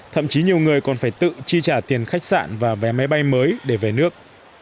thậm chí nhiều người còn phải tự chi trả tiền khách sạn và vé máy bay mới để về nước